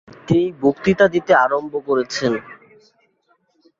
তিনি বক্তৃতা দিতে আরম্ভ করেছেন।